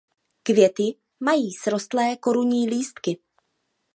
Květy mají srostlé korunní lístky.